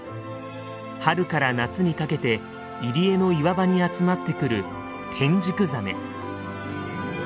春から夏にかけて入り江の岩場に集まってくるテンジクザメ。